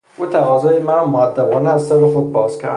او تقاضای مرا مؤدبانه از سر خود باز کرد.